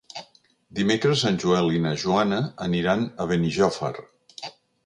Dimecres en Joel i na Joana aniran a Benijòfar.